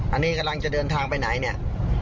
อันนี้กำลังจะเดินทางไปไหนเนี่ย